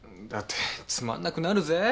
だってつまんなくなるぜ。